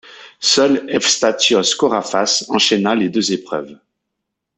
Seul Efstáthios Chorafás enchaîna les deux épreuves.